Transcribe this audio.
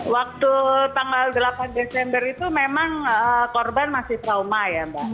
waktu tanggal delapan desember itu memang korban masih trauma ya mbak